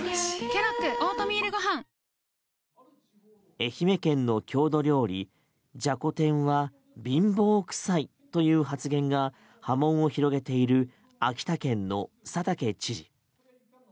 愛媛県の郷土料理、じゃこ天は貧乏くさいという発言が波紋を広げている秋田県の佐竹知事。